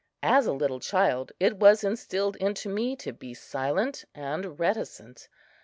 As a little child, it was instilled into me to be silent and reticent.